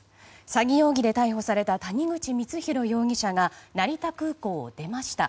詐欺容疑で逮捕された谷口光弘容疑者が成田空港を出ました。